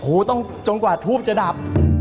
โอ้โหต้องจนกว่าทูบจะดับ